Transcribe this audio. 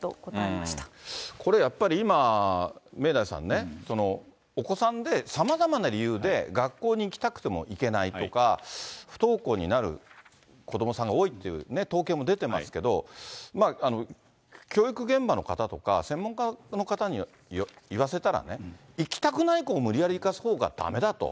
これやっぱり、今、明大さんね、お子さんでさまざまな理由で学校に行きたくても行けないとか、不登校になる子どもさんが多いっていう統計も出ていますけれども、教育現場の方とか、専門家の方に言わせたらね、行きたくない子を無理やり行かすほうがだめだと。